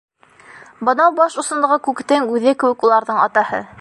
Бынау баш осондағы күктең үҙе кеүек уларҙың атаһы.